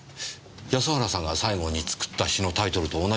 安原さんが最後に作った詩のタイトルと同じですね。